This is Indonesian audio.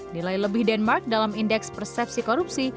nilai lebih denmark dalam indeks persepsi korupsi